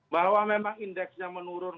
bahwa memang indeksnya menurun